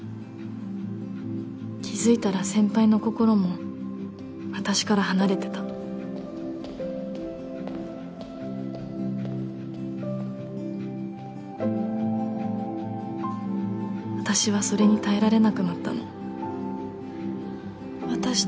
気づいたら先輩の心も私から離れてた私はそれに耐えられなくなったの私達